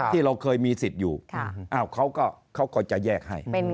ที่เราเคยมีสิทธิ์อยู่เขาก็จะแยกให้